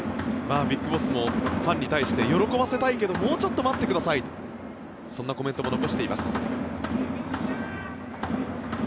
ＢＩＧＢＯＳＳもファンに対して、喜ばせたいけどもうちょっと待ってくださいとそんなコメントも残しています。